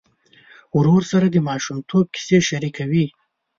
ورور سره د ماشومتوب کیسې شريکې وې.